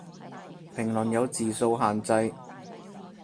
評論有字數限制